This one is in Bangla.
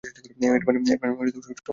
এর বাণ শব্দভেদী বাণ।